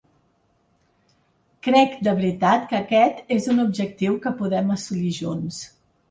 Crec de veritat que aquest és un objectiu que podem assolir junts.